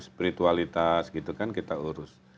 spiritualitas gitu kan kita urus